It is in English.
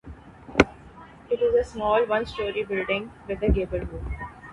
It is a small one story building with a gable roof.